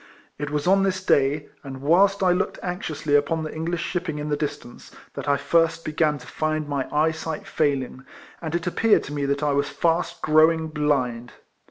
It was on this day, and whilst I looked anxiously upon the English shipping in the distance, that I first began to find my eyesight failing, and it appeared to me that I was fast growing blind.